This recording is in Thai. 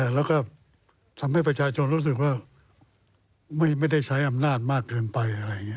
แล้วก็ทำให้ประชาชนรู้สึกว่าไม่ได้ใช้อำนาจมากเกินไป